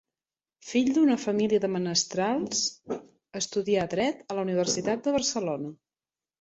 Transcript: Fill d'una família de menestrals, estudià Dret a la Universitat de Barcelona.